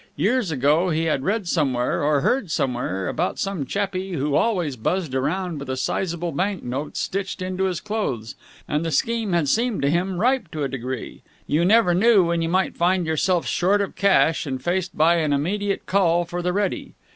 Years ago he had read somewhere or heard somewhere about some chappie who always buzzed around with a sizable banknote stitched into his clothes, and the scheme had seemed to him ripe to a degree. You never knew when you might find yourself short of cash and faced by an immediate call for the ready.